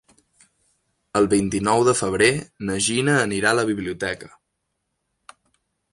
El vint-i-nou de febrer na Gina anirà a la biblioteca.